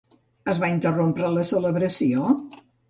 Es va interrompre la celebració?